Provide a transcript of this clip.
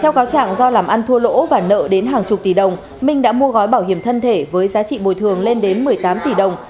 theo cáo trạng do làm ăn thua lỗ và nợ đến hàng chục tỷ đồng minh đã mua gói bảo hiểm thân thể với giá trị bồi thường lên đến một mươi tám tỷ đồng